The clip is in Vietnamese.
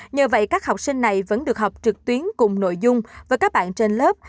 nhờ vậy các học sinh này vẫn được học trực tuyến cùng nội dung với các bạn trên lớp